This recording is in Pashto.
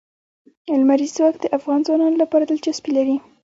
لمریز ځواک د افغان ځوانانو لپاره دلچسپي لري.